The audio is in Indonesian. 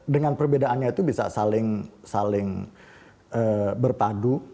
dengan perbedaannya itu bisa saling berpadu